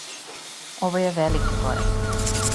Ово је велики корак.